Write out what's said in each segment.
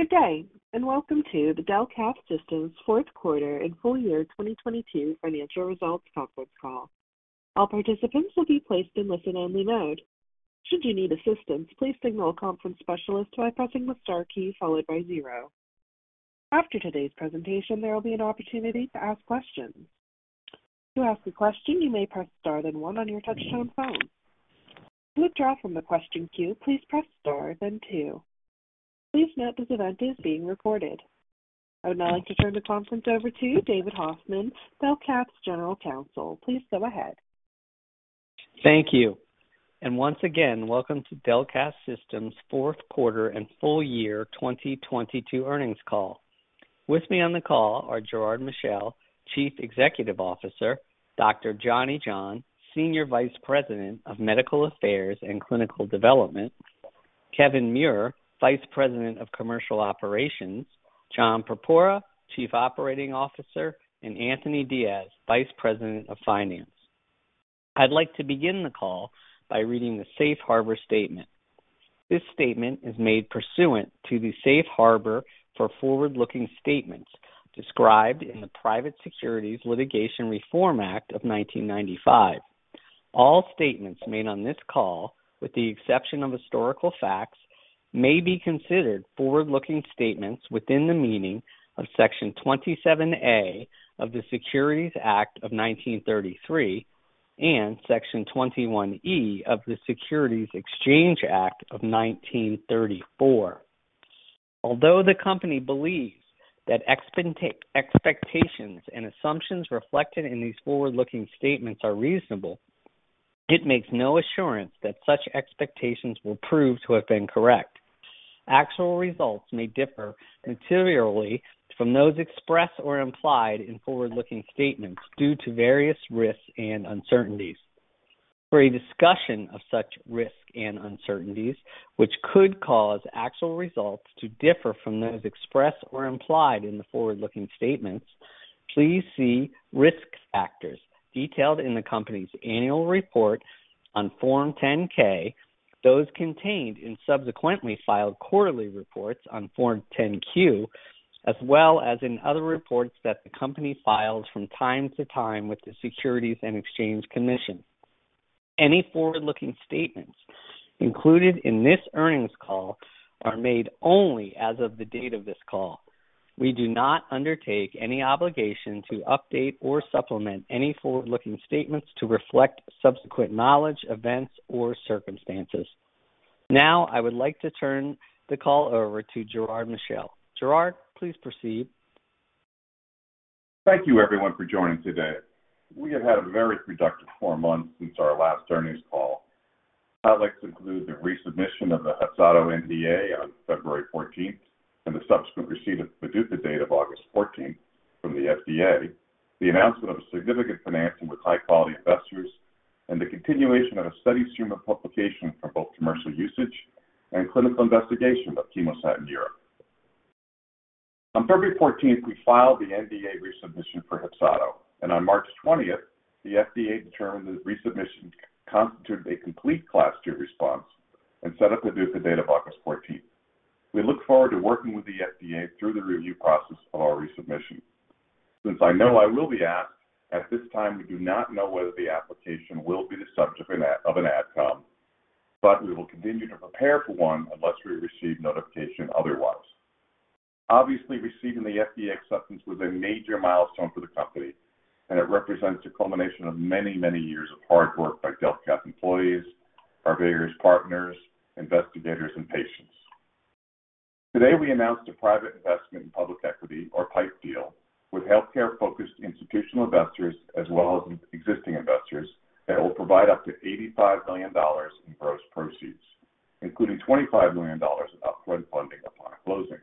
Good day, welcome to the Delcath Systems fourth quarter and full year 2022 financial results conference call. All participants will be placed in listen-only mode. Should you need assistance, please signal a conference specialist by pressing the star key followed by zero. After today's presentation, there will be an opportunity to ask questions. To ask a question, you may press star then one on your touch-tone phone. To withdraw from the question queue, please press star then two. Please note this event is being recorded. I would now like to turn the conference over to David Hoffman, Delcath's General Counsel. Please go ahead. Once again, welcome to Delcath Systems fourth quarter and full year 2022 earnings call. With me on the call are Gerard Michel, Chief Executive Officer; Dr. Johnny John, Senior Vice President of Medical Affairs and Clinical Development; Kevin Muir, Vice President of Commercial Operations; John Purpura, Chief Operating Officer; and Anthony Dias, Vice President of Finance. I'd like to begin the call by reading the Safe Harbor statement. This statement is made pursuant to the Safe Harbor for forward-looking statements described in the Private Securities Litigation Reform Act of 1995. All statements made on this call, with the exception of historical facts, may be considered forward-looking statements within the meaning of Section 27A of the Securities Act of 1933 and Section 21E of the Securities Exchange Act of 1934. Although the company believes that expectations and assumptions reflected in these forward-looking statements are reasonable, it makes no assurance that such expectations will prove to have been correct. Actual results may differ materially from those expressed or implied in forward-looking statements due to various risks and uncertainties. For a discussion of such risks and uncertainties, which could cause actual results to differ from those expressed or implied in the forward-looking statements, please see risk factors detailed in the company's annual report on Form 10-K, those contained in subsequently filed quarterly reports on Form 10-Q, as well as in other reports that the company files from time to time with the Securities and Exchange Commission. Any forward-looking statements included in this earnings call are made only as of the date of this call. We do not undertake any obligation to update or supplement any forward-looking statements to reflect subsequent knowledge, events, or circumstances. Now, I would like to turn the call over to Gerard Michel. Gerard, please proceed. Thank you, everyone, for joining today. We have had a very productive four months since our last earnings call. Highlights include the resubmission of the HEPZATO NDA on February 14th and the subsequent receipt of the PDUFA date of August 14th from the FDA, the announcement of significant financing with high-quality investors, and the continuation of a steady stream of publication for both commercial usage and clinical investigation of CHEMOSAT in Europe. On February 14th, we filed the NDA resubmission for HEPZATO. And on March 20th, the FDA determined that resubmission constituted a complete Class 2 response and set up the PDUFA date of August 14th. We look forward to working with the FDA through the review process of our resubmission. Since I know I will be asked, at this time we do not know whether the application will be the subject of an AdCom, but we will continue to prepare for one unless we receive notification otherwise. Obviously, receiving the FDA acceptance was a major milestone for the company, and it represents a culmination of many years of hard work by Delcath employees, our various partners, investigators, and patients. Today, we announced a private investment in public equity, or PIPE, deal with healthcare-focused institutional investors as well as existing investors that will provide up to $85 million in gross proceeds, including $25 million of upfront funding upon closing.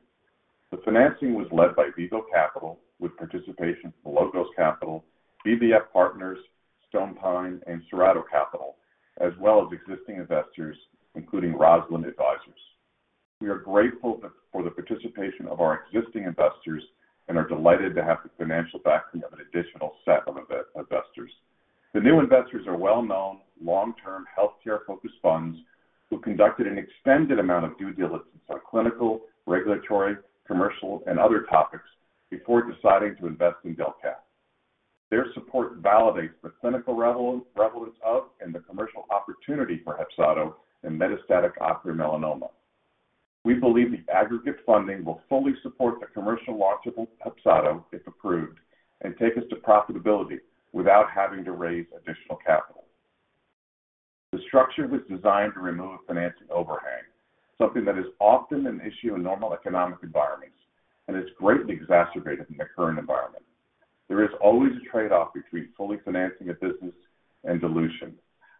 The financing was led by Beagle Capital, with participation from Logos Capital, BVF Partners, Stonepine, and Serrado Capital, as well as existing investors, including Rosalind Advisors. We are grateful for the participation of our existing investors and are delighted to have the financial backing of an additional set of investors. The new investors are well-known, long-term healthcare-focused funds who conducted an extended amount of due diligence on clinical, regulatory, commercial, and other topics before deciding to invest in Delcath. Their support validates the clinical relevance of and the commercial opportunity for HEPZATO in metastatic uveal melanoma. We believe the aggregate funding will fully support the commercial launch of HEPZATO, if approved, and take us to profitability without having to raise additional capital. The structure was designed to remove financing overhang, something that is often an issue in normal economic environments and is greatly exacerbated in the current environment. There is always a trade-off between fully financing a business and dilution.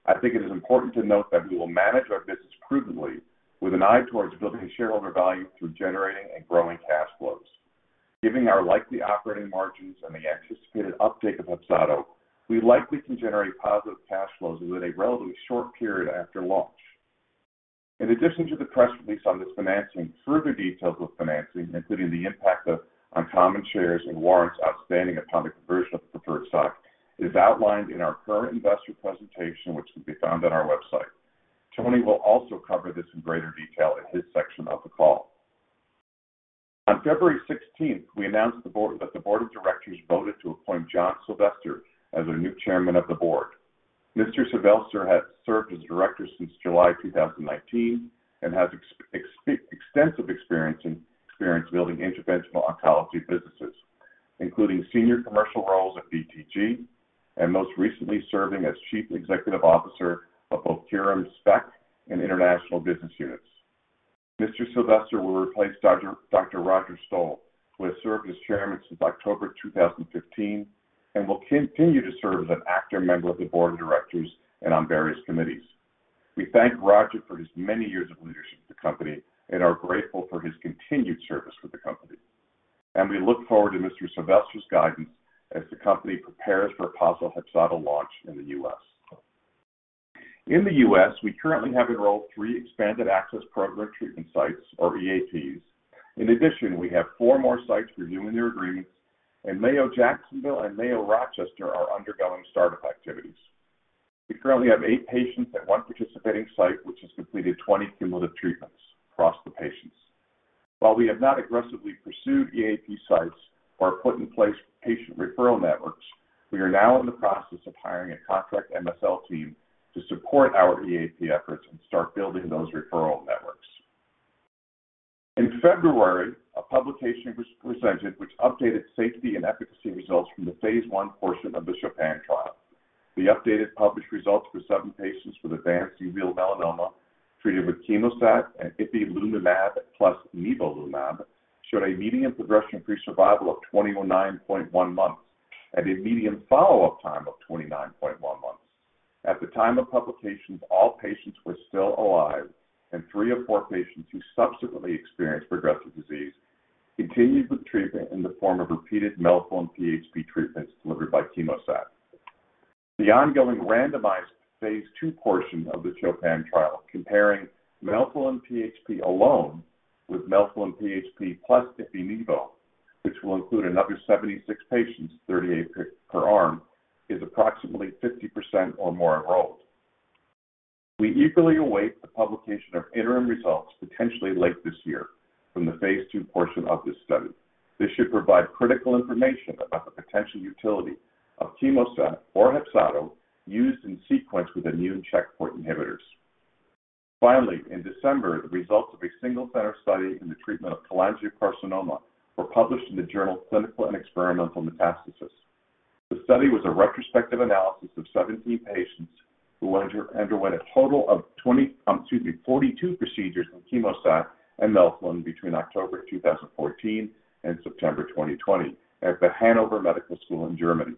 I think it is important to note that we will manage our business prudently with an eye towards building shareholder value through generating and growing cash flows. Given our likely operating margins and the anticipated uptake of HEPZATO, we likely can generate positive cash flows within a relatively short period after launch. In addition to the press release on this financing, further details of financing, including the impact of on common shares and warrants outstanding upon the conversion of preferred stock, is outlined in our current investor presentation, which can be found on our website. Tony will also cover this in greater detail in his section of the call. On February 16th, we announced that the Board of Directors voted to appoint John Sylvester as a new Chairman of the Board. Mr. Sylvester has served as Director since July 2019 and has extensive experience in, experience building interventional oncology businesses, including senior commercial roles at BTG and most recently serving as Chief Executive Officer of both Curium SPECT and International business units. Mr. Sylvester will replace Dr. Roger Stoll, who has served as Chairman since October 2015, and will continue to serve as an active member of the Board of Directors and on various committees. We thank Roger for his many years of leadership at the company and are grateful for his continued service with the company. We look forward to Mr. Sylvester's guidance as the company prepares for a possible HEPZATO launch in the U.S. In the U.S., we currently have enrolled three Expanded Access Program treatment sites or EAP. In addition, we have four more sites reviewing their agreements, and Mayo Jacksonville and Mayo Rochester are undergoing start-up activities. We currently have eight patients at one participating site which has completed 20 cumulative treatments across the patients. While we have not aggressively pursued EAP sites or put in place patient referral networks, we are now in the process of hiring a contract MSL team to support our EAP efforts and start building those referral networks. In February, a publication was presented which updated safety and efficacy results from the phase I portion of the CHOPIN trial. The updated published results for seven patients with advanced uveal melanoma treated with CHEMOSAT and ipilimumab plus nivolumab showed a median progression-free survival of 29.1 months and a median follow-up time of 29.1 months. At the time of publication, all patients were still alive, three of four patients who subsequently experienced progressive disease continued with treatment in the form of repeated melphalan PHP treatments delivered by CHEMOSAT. The ongoing randomized phase II portion of the CHOPIN trial, comparing melphalan PHP alone with melphalan PHP plus Ipi/Nivo, which will include another 76 patients, 38 per arm, is approximately 50% or more enrolled. We eagerly await the publication of interim results potentially late this year from the phase II portion of this study. This should provide critical information about the potential utility of CHEMOSAT or HEPZATO used in sequence with immune checkpoint inhibitors. Finally, in December, the results of a single-center study in the treatment of cholangiocarcinoma were published in the journal Clinical and Experimental Metastasis. The study was a retrospective analysis of 17 patients who underwent a total of 42 procedures in CHEMOSAT and melphalan between October 2014 and September 2020 at the Hannover Medical School in Germany.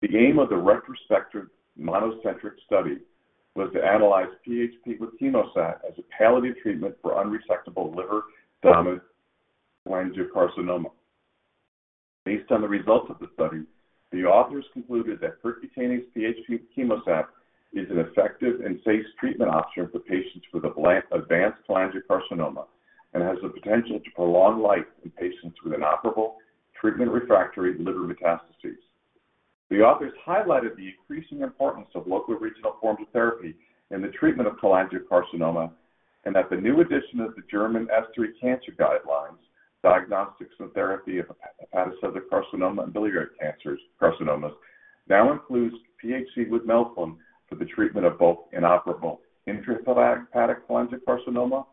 The aim of the retrospective monocentric study was to analyze PHP with CHEMOSAT as a palliative treatment for unresectable liver dominant cholangiocarcinoma. Based on the results of the study, the authors concluded that percutaneous PHP-CHEMOSAT is an effective and safe treatment option for patients with advanced cholangiocarcinoma and has the potential to prolong life in patients with inoperable treatment-refractory liver metastases. The authors highlighted the increasing importance of locoregional forms of therapy in the treatment of cholangiocarcinoma and that the new addition of the German S3 cancer guidelines, diagnostics, and therapy of pancreatic adenocarcinoma and biliary carcinomas now includes PHP with melphalan for the treatment of both inoperable intrahepatic cholangiocarcinoma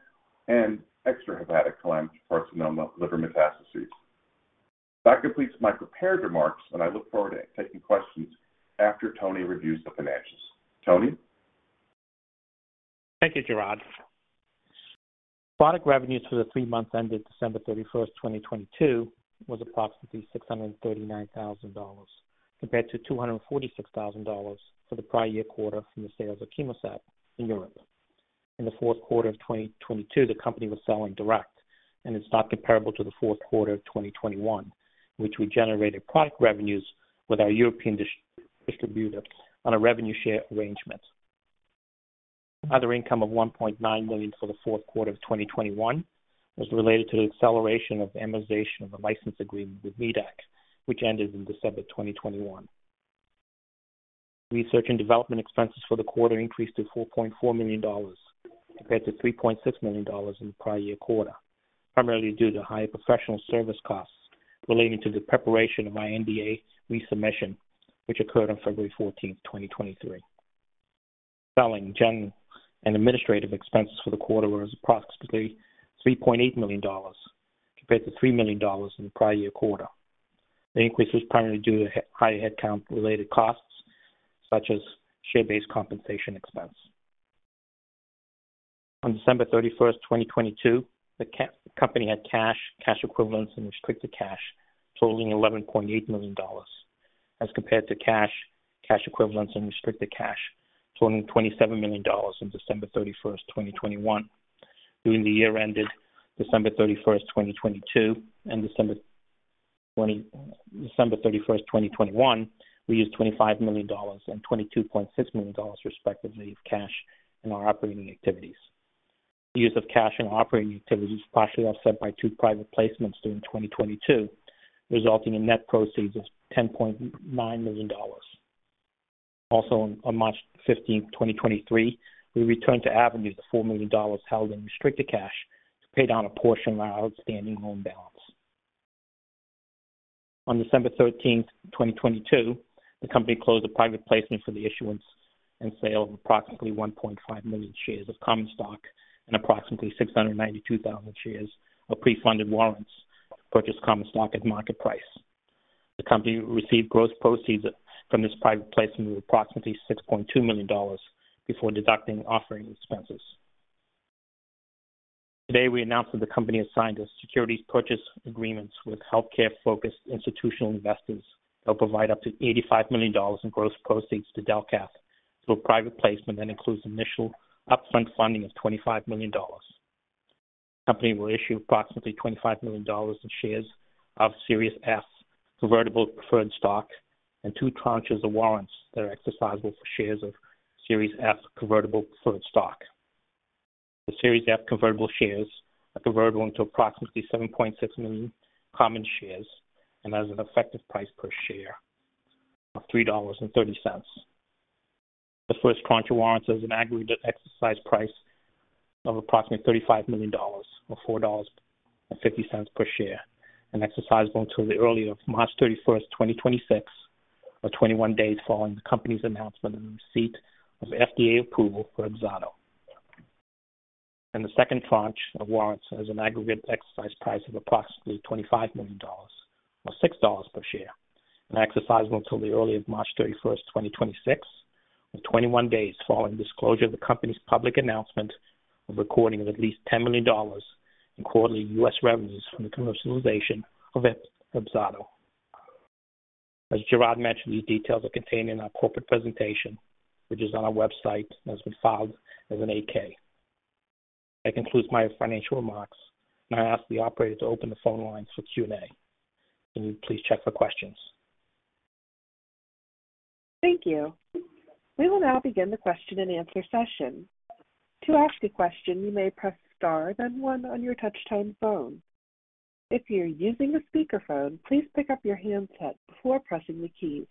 and extrahepatic cholangiocarcinoma liver metastases. That completes my prepared remarks. I look forward to taking questions after Tony reviews the financials. Tony? Thank you, Gerard. Product revenues for the three months ended December 31st, 2022, was approximately $639,000, compared to $246,000 for the prior year quarter from the sales of CHEMOSAT in Europe. In the fourth quarter of 2022, the company was selling direct, it's not comparable to the fourth quarter of 2021, in which we generated product revenues with our European distributor on a revenue share arrangement. Other income of $1.9 million for the fourth quarter of 2021 was related to the acceleration of the amortization of the license agreement with medac, which ended in December 2021. Research and development expenses for the quarter increased to $4.4 million, compared to $3.6 million in the prior year quarter, primarily due to higher professional service costs relating to the preparation of our NDA resubmission, which occurred on February 14, 2023. Selling, general, and administrative expenses for the quarter was approximately $3.8 million compared to $3 million in the prior year quarter. The increase was primarily due to high headcount-related costs, such as share-based compensation expense. On December 31, 2022, the company had cash equivalents and restricted cash totaling $11.8 million as compared to cash equivalents and restricted cash totaling $27 million on December 31, 2021. During the year ended December 31, 2022 and December 31, 2021, we used $25 million and $22.6 million, respectively, of cash in our operating activities. Use of cash and operating activities partially offset by two private placements during 2022, resulting in net proceeds of $10.9 million. On March 15, 2023, we returned to Avenue the $4 million held in restricted cash to pay down a portion of our outstanding loan balance. On December 13, 2022, the company closed a private placement for the issuance and sale of approximately 1.5 million shares of common stock and approximately 692,000 shares of pre-funded warrants to purchase common stock at market price. The company received gross proceeds from this private placement of approximately $6.2 million before deducting offering expenses. Today, we announced that the company has signed a securities purchase agreements with healthcare-focused institutional investors that will provide up to $85 million in gross proceeds to Delcath through a private placement that includes initial upfront funding of $25 million. The company will issue approximately $25 million in shares of Series F convertible preferred stock and two tranches of warrants that are exercisable for shares of Series F convertible preferred stock. The Series F convertible shares are convertible into approximately 7.6 million common shares, and has an effective price per share of $3.30. The first tranche of warrants has an aggregate exercise price of approximately $35 million, or $4.50 per share, and exercisable until the early of March 31, 2026, or 21 days following the company's announcement and receipt of FDA approval for HEPZATO. In the second tranche of warrants has an aggregate exercise price of approximately $25 million or $6 per share, and exercisable until the early of March 31, 2026, or 21 days following disclosure of the company's public announcement of recording of at least $10 million in quarterly U.S. revenues from the commercialization of HEPZATO. As Gerard mentioned, these details are contained in our corporate presentation, which is on our website and has been filed as an 8-K. That concludes my financial remarks, and I ask the operator to open the phone lines for Q&A. Can you please check for questions? Thank you. We will now begin the question-and-answer session. To ask a question, you may press star then one on your touch-tone phone. If you're using a speakerphone, please pick up your handset before pressing the keys.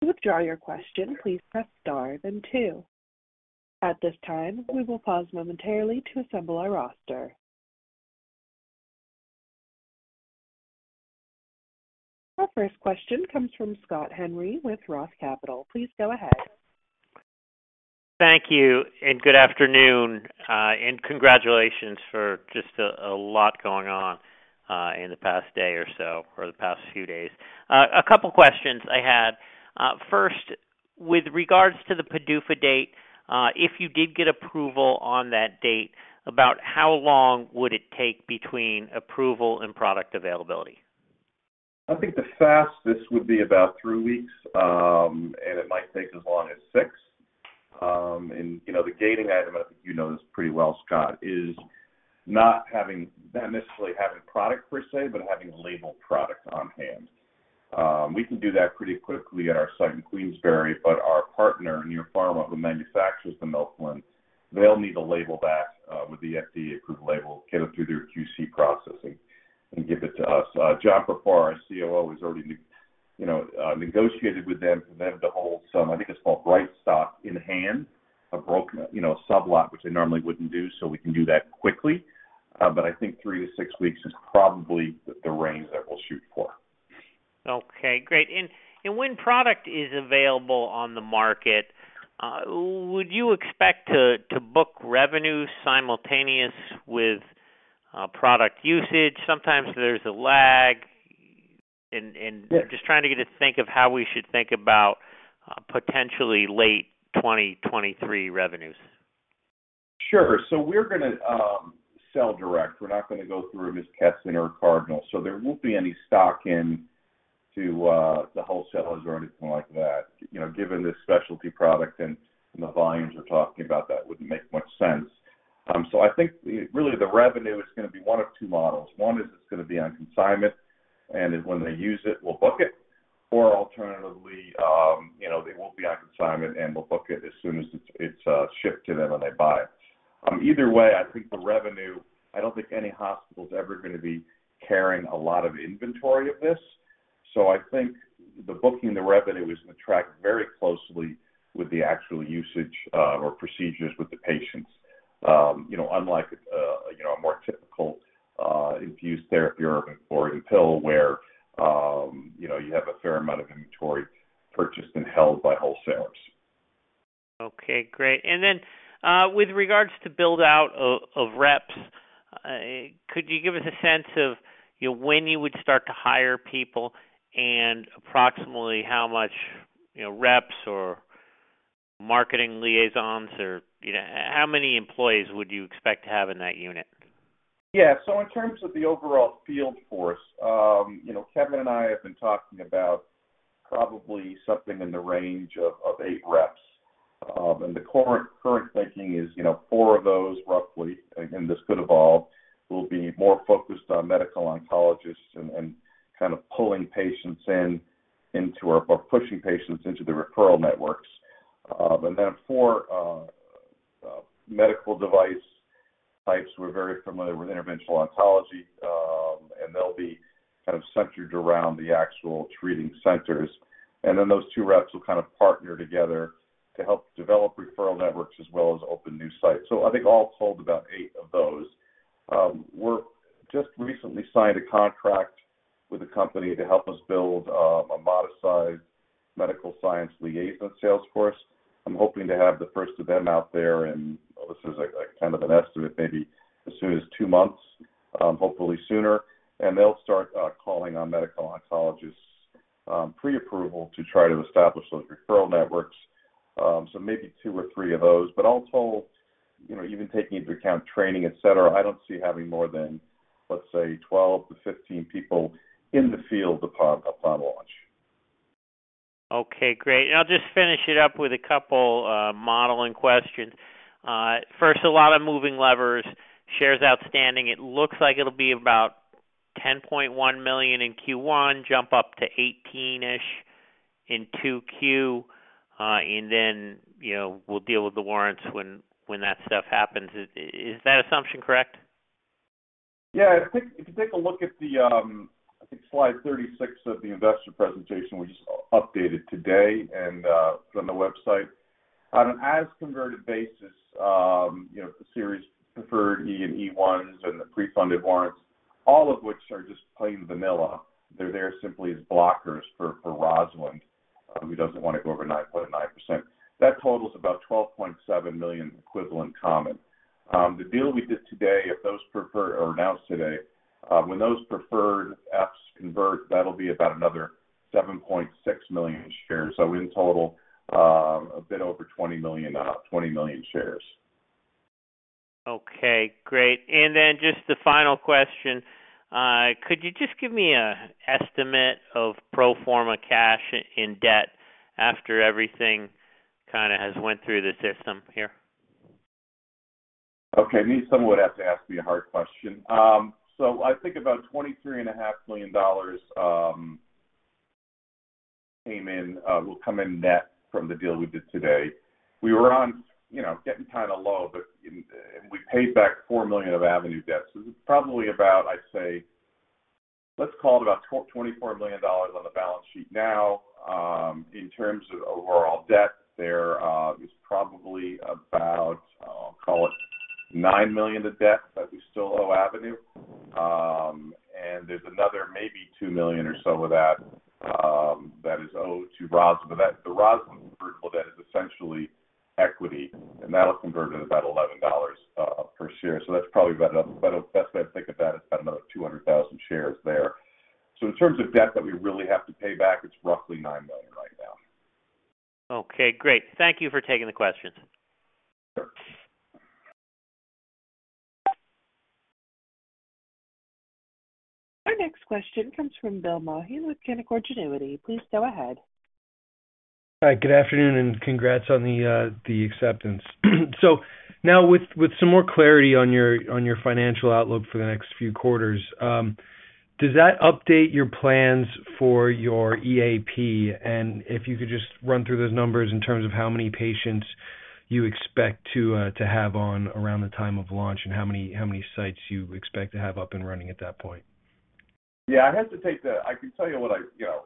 To withdraw your question, please press star then two. At this time, we will pause momentarily to assemble our roster. Our first question comes from Scott Henry with ROTH Capital. Please go ahead. Thank you. Good afternoon, and congratulations for just a lot going on, in the past day or so, or the past few days. A couple questions I had. First, with regards to the PDUFA date, if you did get approval on that date, about how long would it take between approval and product availability? I think the fastest would be about three weeks, and it might take as long as six. You know, the gating item, I think you know this pretty well, Scott, is not necessarily having product per se, but having labeled product on hand. We can do that pretty quickly at our site in Queensbury, but our partner, Neopharma, who manufactures the melphalan, they'll need to label that with the FDA-approved label, get it through their QC processing, and give it to us. John Purpura, our COO, has already negotiated with them for them to hold some, I think it's called bright stock, in hand, a broken sublot which they normally wouldn't do, so we can do that quickly. I think three to six weeks is probably the range that we'll shoot for. Okay, great. When product is available on the market, would you expect to book revenue simultaneous with product usage? Sometimes there's a lag, and just trying to get a think of how we should think about potentially late 2023 revenues. Sure. We're gonna sell direct. We're not gonna go through AmerisourceBergen or Cardinal. There won't be any stock in to the wholesalers or anything like that. You know, given the specialty product and the volumes we're talking about, that wouldn't make much sense. I think, really, the revenue is gonna be one of two models. One is it's gonna be on consignment, and then when they use it, we'll book it. Alternatively, you know, they won't be on consignment, and we'll book it as soon as it's shipped to them, and they buy it. Either way, I think the revenue-- I don't think any hospital's ever gonna be carrying a lot of inventory of this. I think the booking the revenue is gonna track very closely with the actual usage or procedures with the patients. You know, unlike, you know, a more typical, infused therapy or a pill where, you know, you have a fair amount of inventory purchased and held by wholesalers. Okay, great. With regards to build out of reps, could you give us a sense of, you know, when you would start to hire people and approximately how much, you know, reps or marketing liaisons or, you know, how many employees would you expect to have in that unit? Yeah. In terms of the overall field force, you know, Kevin Muir and I have been talking about probably something in the range of eight reps. The current thinking is, you know, four of those, roughly. Again, this could evolve, will be more focused on medical oncologists and kind of pulling patients into or pushing patients into the referral networks. Then for medical device types, we're very familiar with interventional oncology, and they'll be kind of centered around the actual treating centers. Then those two reps will kind of partner together to help develop referral networks as well as open new sites. I think all told about eight of those. We're just recently signed a contract with a company to help us build a modest-sized medical science liaison sales force. I'm hoping to have the first of them out there in, well, this is like kind of an estimate, maybe as soon as two months, hopefully sooner. They'll start calling on medical oncologists' pre-approval to try to establish those referral networks, so maybe two or three of those. All told, you know, even taking into account training, et cetera, I don't see having more than, let's say, 12 to 15 people in the field upon launch. Okay, great. I'll just finish it up with a couple modeling questions. First, a lot of moving levers, shares outstanding. It looks like it'll be about 10.1 million in Q1, jump up to 18-ish in 2Q, and then, you know, we'll deal with the warrants when that stuff happens. Is that assumption correct? Yeah. If you take a look at the, I think slide 36 of the investor presentation we just updated today and it's on the website-- On an as converted basis, you know, the Series E and E1s and the pre-funded warrants, all of which are just plain vanilla. They're there simply as blockers for Rosalind, who doesn't wanna go over 9.9%. That totals about $12.7 million equivalent common. The deal we did today, if those preferred or announced today, when those Series Fs convert, that'll be about another $7.6 million shares. In total, a bit over $20 million, about $20 million shares. Okay, great. Just the final question, could you just give me a estimate of pro forma cash and debt after everything kinda has went through the system here? Okay. Knew someone would have to ask me a hard question. I think about $23.5 million came in, will come in net from the deal we did today. We were on, you know, getting kind of low, but and we paid back $4 million of Avenue debt. This is probably about, I'd say, let's call it about $24 million on the balance sheet now. In terms of overall debt, there is probably about, I'll call it $9 million of debt that we still owe Avenue. And there's another maybe $2 million or so of that that is owed to Rosalind. That, the Rosalind convertible debt is essentially equity, and that'll convert at about $11 per share. That's probably about the best way to think of that, it's about another 200,000 shares there. In terms of debt that we really have to pay back, it's roughly $9 million right now. Okay, great. Thank you for taking the questions. Sure. Our next question comes from William Maughan with Canaccord Genuity. Please go ahead. Hi, good afternoon. Congrats on the acceptance. Now with some more clarity on your financial outlook for the next few quarters, does that update your plans for your EAP? If you could just run through those numbers in terms of how many patients you expect to have on around the time of launch and how many sites you expect to have up and running at that point. Yeah, I hesitate to... I can tell you what I, you know,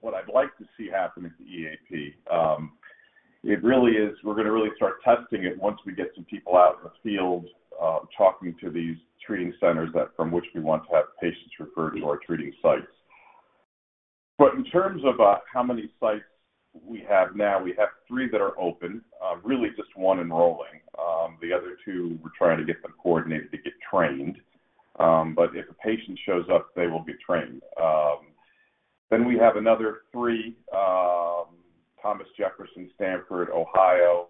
what I'd like to see happen with the EAP. It really is we're gonna really start testing it once we get some people out in the field, talking to these treating centers that, from which we want to have patients referred to our treating sites. In terms of how many sites we have now, we have three that are open, really just one enrolling. The other two, we're trying to get them coordinated to get trained, but if a patient shows up, they will be trained. Then we have another three, Thomas Jefferson, Stanford, Ohio,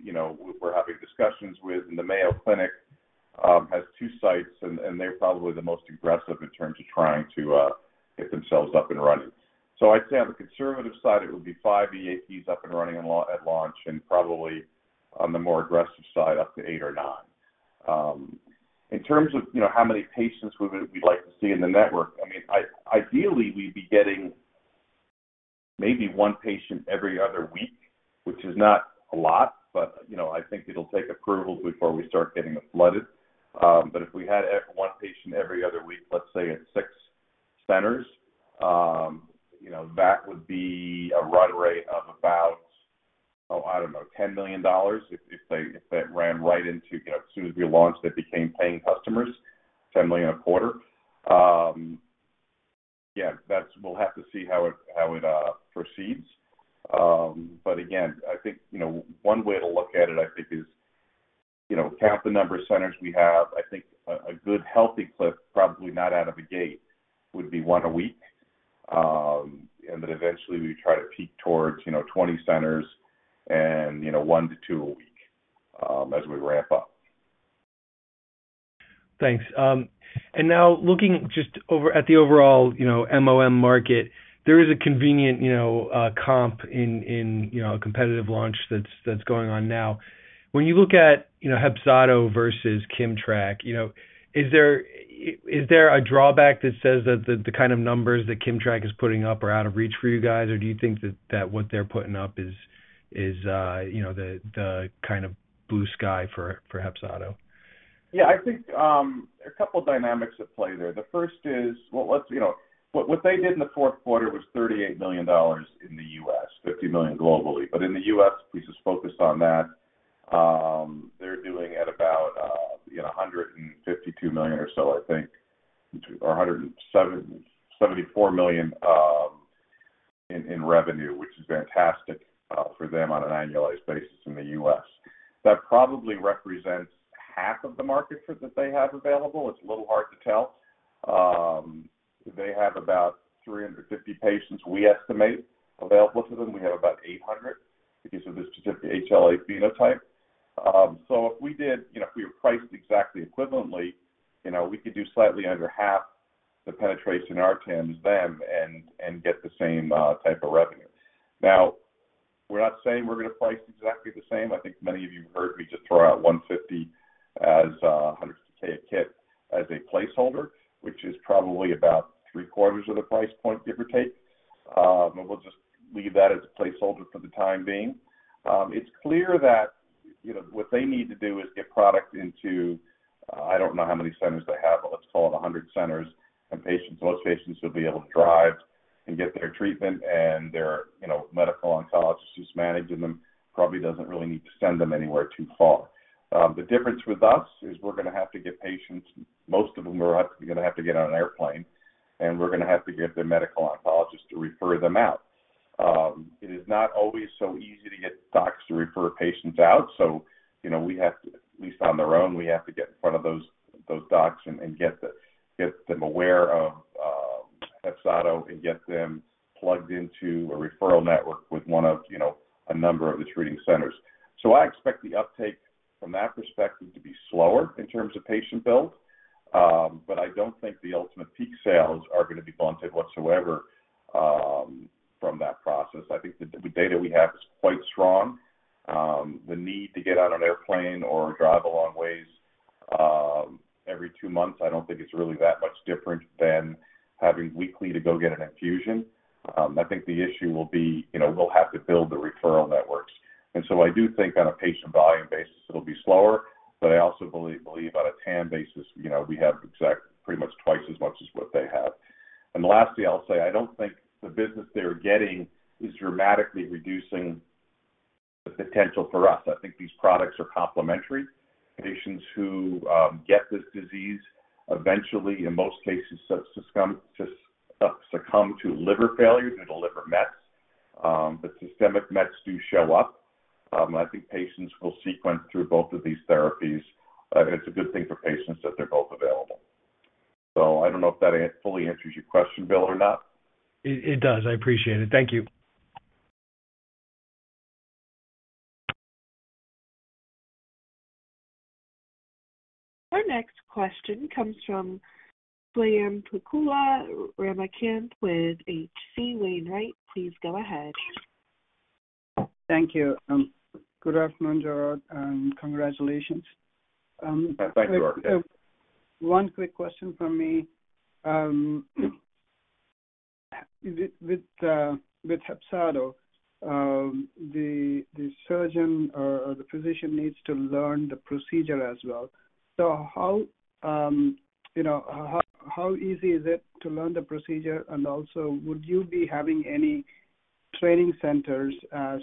you know, we're having discussions with. The Mayo Clinic has two sites, and they're probably the most aggressive in terms of trying to get themselves up and running. I'd say on the conservative side, it would be five EAPs up and running at launch, and probably on the more aggressive side, up to eight or nine. In terms of, you know, how many patients we'd like to see in the network, I mean, ideally, we'd be getting maybe one patient every other week, which is not a lot, but, you know, I think it'll take approvals before we start getting it flooded. If we had one patient every other week, let's say at six centers, you know, that would be a run rate of about, I don't know, $10 million if they, if that ran right into, you know, as soon as we launched, they became paying customers, $10 million a quarter. Yeah, that's, we'll have to see how it, how it proceeds. Again, I think, you know, one way to look at it, I think is, you know, count the number of centers we have. I think a good healthy clip, probably not out of the gate, would be one a week. Then eventually we try to peak towards, you know, 20 centers and, you know, one to two a week, as we ramp up. Thanks. Now looking just over at the overall, you know, MoM market, there is a convenient, you know, comp in, you know, a competitive launch that's going on now. When you look at, you know, HEPZATO versus KIMMTRAK, you know, is there a drawback that says that the kind of numbers that KIMMTRAK is putting up are out of reach for you guys? Or do you think that what they're putting up is, you know, the kind of blue sky for HEPZATO? Yeah. I think a couple of dynamics at play there. The first is what they did in the fourth quarter was $38 million in the U.S., $50 million globally. In the U.S., we just focused on that, they're doing at about $152 million or so, I think, or $174 million in revenue, which is fantastic for them on an annualized basis in the U.S. That probably represents 1/2 of the market that they have available. It's a little hard to tell. They have about 350 patients, we estimate, available to them. We have about 800 because of the specific HLA phenotype. If we did, you know, if we were priced exactly equivalently, you know, we could do slightly under 1/2 the penetration in our TAM as them and get the same type of revenue. We're not saying we're gonna price exactly the same. I think many of you heard me just throw out $150 as $100K a kit as a placeholder, which is probably about 3/4 of the price point, give or take. We'll just leave that as a placeholder for the time being. It's clear that, you know, what they need to do is get product into, I don't know how many centers they have, but let's call it 100 centers and patients. Most patients will be able to drive and get their treatment, and their, you know, medical oncologist who's managing them probably doesn't really need to send them anywhere too far. The difference with us is we're gonna have to get patients, most of them are gonna have to get on an airplane, and we're gonna have to get their medical oncologist to refer them out. It is not always so easy to get docs to refer patients out. you know, we have to, at least on their own, we have to get in front of those docs and get them aware of HEPZATO and get them plugged into a referral network with one of, you know, a number of the treating centers. I expect the uptake from that perspective to be slower in terms of patient build, but I don't think the ultimate peak sales are gonna be blunted whatsoever from that process. I think the data we have is quite strong. The need to get on an airplane or drive a long ways, every two months, I don't think it's really that much different than having weekly to go get an infusion. I think the issue will be, you know, we'll have to build the referral networks. I do think on a patient volume basis, it'll be slower, but I also believe on a TAM basis, you know, we have pretty much twice as much as what they have. Lastly, I'll say, I don't think the business they're getting is dramatically reducing the potential for us. I think these products are complementary. Patients who get this disease, eventually, in most cases, succumb to liver failure. They're liver mets. Systemic mets do show up. I think patients will sequence through both of these therapies. It's a good thing for patients that they're both available. I don't know if that fully answers your question, Bill, or not. It does. I appreciate it. Thank you. Our next question comes from Ramakanth Swayampakula with H.C. Wainwright & Co. Please go ahead. Thank you. Good afternoon, Gerard, and congratulations. Thank you RK. One quick question from me. With HEPZATO, the surgeon or the physician needs to learn the procedure as well. How, you know, how easy is it to learn the procedure? Also, would you be having any training centers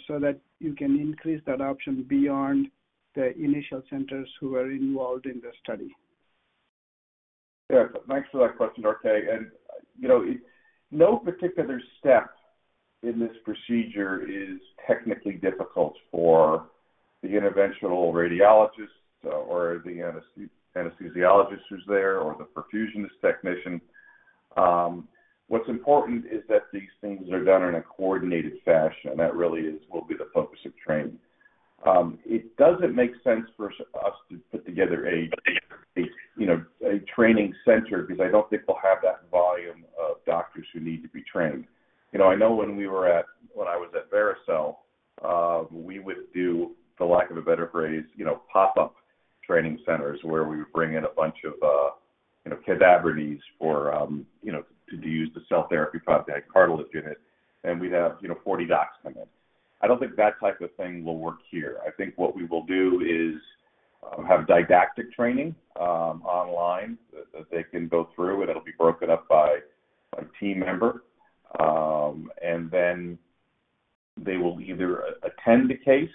so that you can increase that option beyond the initial centers who are involved in the study? Yeah. Thanks for that question, RK. You know, no particular step in this procedure is technically difficult for the interventional radiologist or the anesthesiologist who's there or the perfusion technician. What's important is that these things are done in a coordinated fashion. That really is, will be the focus of training. It doesn't make sense for us to put together a, you know, a training center because I don't think we'll have that volume of doctors who need to be trained. You know, I know when I was at Vericel, we would do, for lack of a better phrase, you know, pop-up training centers where we would bring in a bunch of, you know, cadaver knees for, you know, to use the cell therapy product, that CartiLife unit, and we'd have, you know, 40 docs come in. I don't think that type of thing will work here. I think what we will do is, have didactic training, online that they can go through, and it'll be broken up by a team member. They will either attend the case,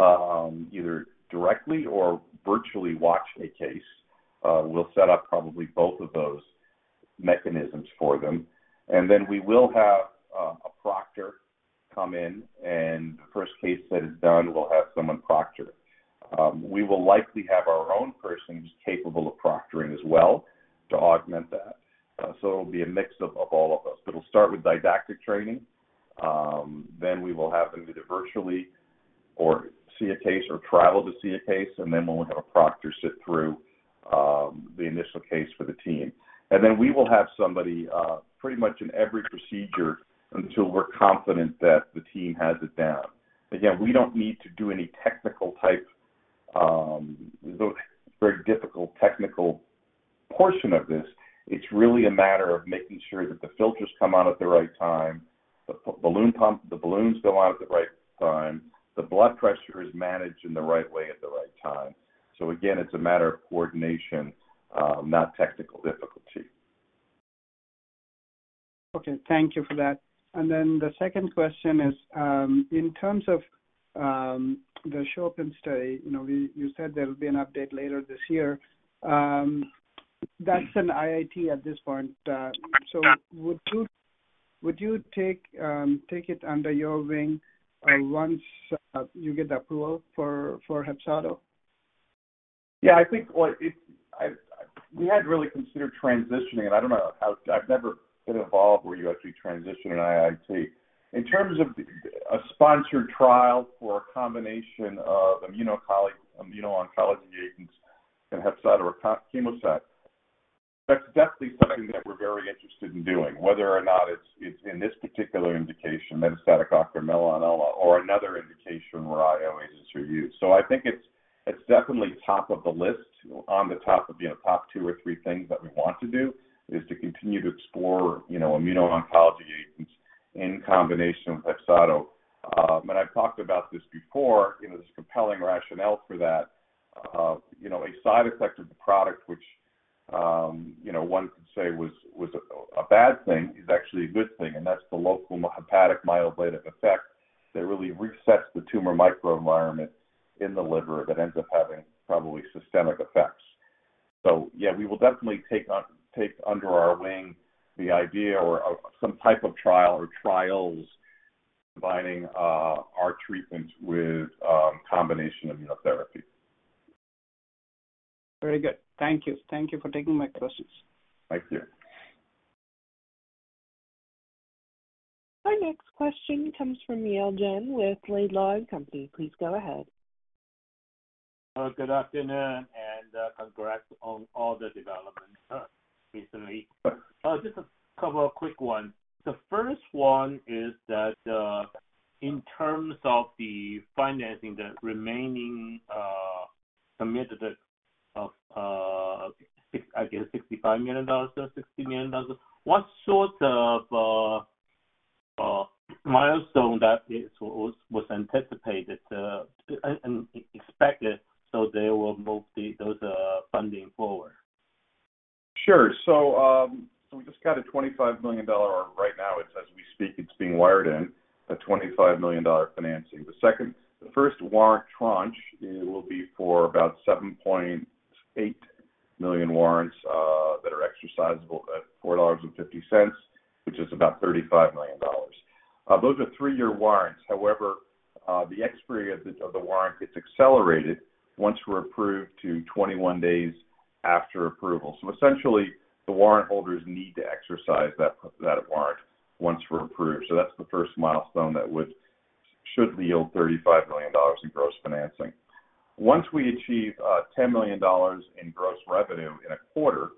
either directly or virtually watch a case. We'll set up probably both of those mechanisms for them. We will have, a proctor come in, and the first case that is done will have someone proctor it. We will likely have our own person who's capable of proctoring as well to augment that. It'll be a mix of all of those. It'll start with didactic training. We will have them do it virtually or see a case or travel to see a case, we'll have a proctor sit through the initial case for the team. We will have somebody pretty much in every procedure until we're confident that the team has it down. Again, we don't need to do any technical type, those very difficult technical portion of this. It's really a matter of making sure that the filters come out at the right time, the balloons go out at the right time, the blood pressure is managed in the right way at the right time. Again, it's a matter of coordination, not technical difficulty. Okay. Thank you for that. The second question is, in terms of the CHOPIN study, you know, you said there will be an update later this year. That's an IIT at this point. Would you take it under your wing once you get the approval for HEPZATO? I think we hadn't really considered transitioning, and I don't know I've never been involved where you actually transition an IIT. In terms of a sponsored trial for a combination of immuno-oncology agents and HEPZATO or CHEMOSAT, that's definitely something that we're very interested in doing, whether or not it's in this particular indication, metastatic ocular melanoma, or another indication where IO is reviewed. I think it's definitely top of the list. On the top of, you know, top two or three things that we want to do is to continue to explore, you know, immuno-oncology agents in combination with HEPZATO. I've talked about this before, you know, there's a compelling rationale for that. You know, a side effect of the product, which, you know, one could say was a bad thing, is actually a good thing, and that's the local hepatic myeloablative effect that really resets the tumor microenvironment in the liver that ends up having probably systemic effects. Yeah, we will definitely take under our wing the idea or of some type of trial or trials combining our treatment with combination immunotherapy. Very good. Thank you. Thank you for taking my questions. Thank you. Our next question comes from Yale Jen with Laidlaw & Company. Please go ahead. Good afternoon and congrats on all the developments recently. Sure. Just a couple of quick ones. The first one is that, in terms of the financing, the remaining, committed of $65 million or $60 million, what sort of milestone that is, was anticipated, and, expected so they will move the, those, funding forward? Sure. We just got a $25 million, or right now it's as we speak, it's being wired in, a $25 million financing. The first warrant tranche will be for about 7.8 million warrants that are exercisable at $4.50, which is about $35 million. Those are three-year warrants. However, the expiry of the warrant gets accelerated once we're approved to 21 days after approval. Essentially, the warrant holders need to exercise that warrant once we're approved. That's the first milestone should yield $35 million in gross financing. Once we achieve $10 million in gross revenue in a quarter,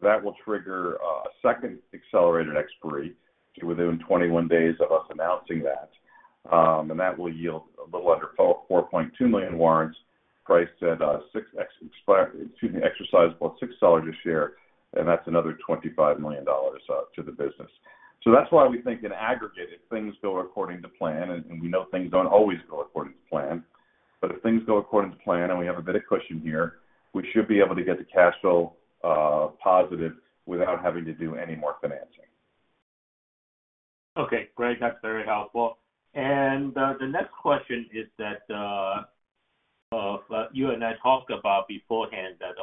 that will trigger a second accelerated expiry to within 21 days of us announcing that. That will yield a little under 4.2 million warrants priced at exercisable at $6 a share, and that's another $25 million to the business. That's why we think in aggregate, if things go according to plan, and we know things don't always go according to plan. If things go according to plan, and we have a bit of cushion here, we should be able to get to cash flow positive without having to do any more financing. Okay, great. That's very helpful. The next question is that you and I talked about beforehand that,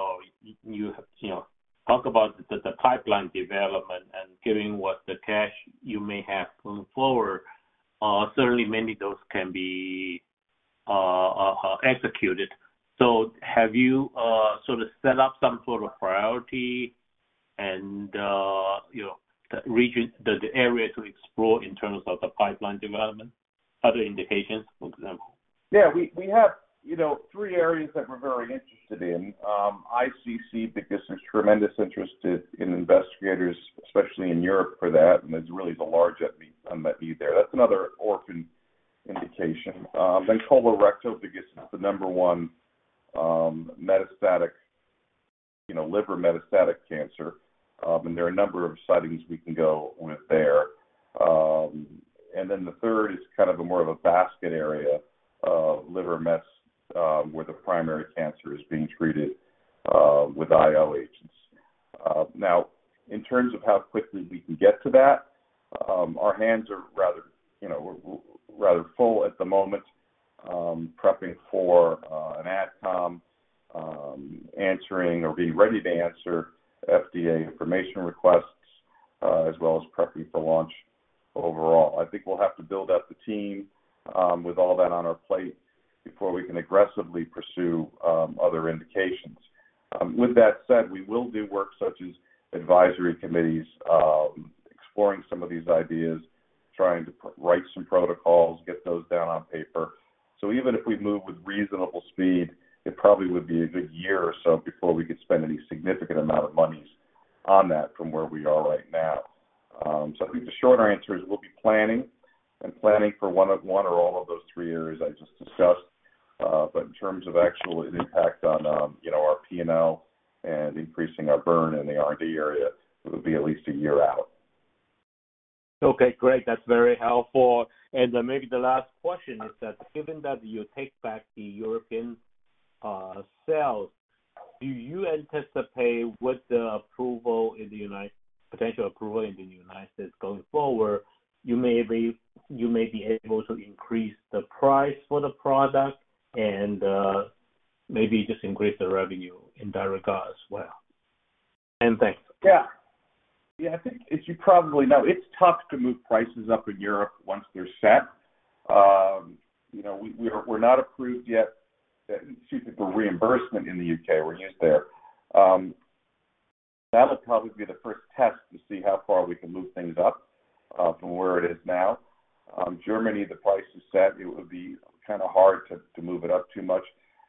you know, talk about the pipeline development and given what the cash you may have going forward, certainly many of those can be executed. Have you sort of set up some sort of priority and, you know, the region, the area to explore in terms of the pipeline development, other indications, for example? Yeah. We, we have, you know, three areas that we're very interested in. ICC, because there's tremendous interest in investigators, especially in Europe for that, it's really the large unmet need there. That's another orphan indication. Colorectal because it's the number one, metastatic, you know, liver metastatic cancer. There are a number of settings we can go with there. The third is kind of a more of a basket area of liver mets, where the primary cancer is being treated, with IO agents. Now, in terms of how quickly we can get to that, our hands are rather, you know, rather full at the moment, prepping for an AdCom, answering or being ready to answer FDA information requests, as well as prepping for launch overall. I think we'll have to build out the team with all that on our plate before we can aggressively pursue other indications. With that said, we will do work such as advisory committees, exploring some of these ideas, trying to write some protocols, get those down on paper. Even if we move with reasonable speed, it probably would be a good one year or so before we could spend any significant amount of monies on that from where we are right now. I think the shorter answer is we'll be planning and planning for one or all of those three areas I just discussed. In terms of actual impact on, you know, our P&L and increasing our burn in the R&D area, it would be at least one year out. Okay, great. That's very helpful. Maybe the last question is that given that you take back the European sales, do you anticipate with the potential approval in the United States going forward, you may be able to increase the price for the product and maybe just increase the revenue in that regard as well? Thanks. Yeah. Yeah, I think as you probably know, it's tough to move prices up in Europe once they're set. You know, we're not approved yet, excuse me, for reimbursement in the U.K. We're new there. That'll probably be the first test to see how far we can move things up from where it is now. Germany, the price is set. It would be kinda hard to move it up too much.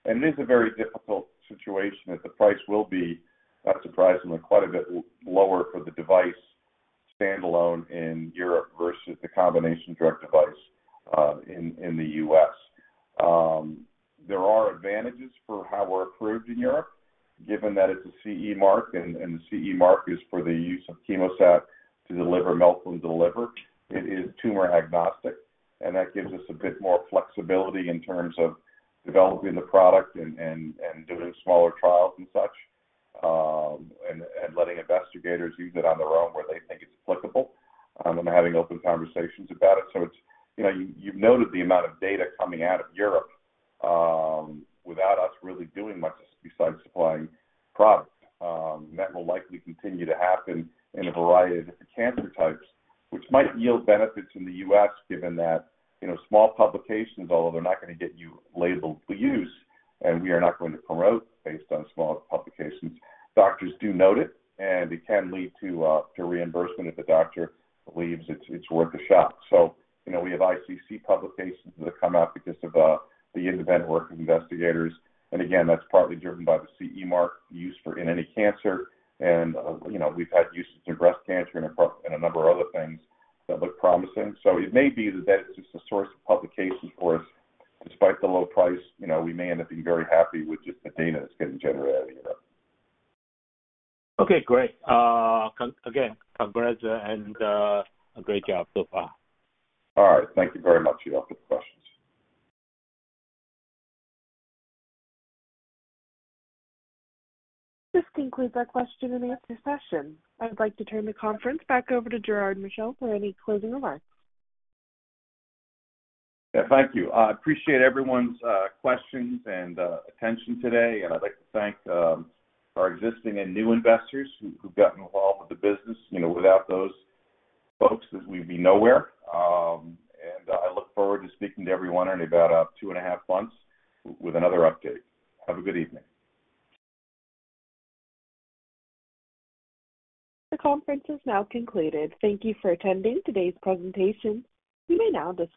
It is a very difficult situation that the price will be, not surprisingly, quite a bit lower for the device standalone in Europe versus the combination drug device in the U.S. There are advantages for how we're approved in Europe, given that it's a CE Mark, and the CE Mark is for the use of CHEMOSAT to deliver melphalan delivered. It is tumor agnostic, and that gives us a bit more flexibility in terms of developing the product and doing smaller trials and such, and letting investigators use it on their own where they think it's applicable, and having open conversations about it. It's, you know, you've noted the amount of data coming out of Europe, without us really doing much besides supplying product. That will likely continue to happen in a variety of different cancer types, which might yield benefits in the U.S. given that, you know, small publications, although they're not gonna get you labeled for use, and we are not going to promote based on small publications, doctors do note it, and it can lead to reimbursement if the doctor believes it's worth a shot. You know, we have ICC publications that come out because of the independent work of investigators. Again, that's partly driven by the CE Mark used for in any cancer, and you know, we've had usage in breast cancer and a number of other things that look promising. It may be that that is just a source of publications for us despite the low price. You know, we may end up being very happy with just the data that's getting generated, you know. Okay, great. again, congrats and great job so far. All right. Thank you very much. You're welcome for the questions. This concludes our question and answer session. I would like to turn the conference back over to Gerard Michel for any closing remarks. Yeah, thank you. I appreciate everyone's questions and attention today. I'd like to thank our existing and new investors who've gotten involved with the business. You know, without those folks, we'd be nowhere. I look forward to speaking to everyone in about two and a half months with another update. Have a good evening. The conference is now concluded. Thank you for attending today's presentation. You may now disconnect.